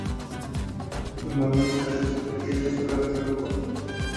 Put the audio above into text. Normalmente se les ve en pequeños o grandes grupos.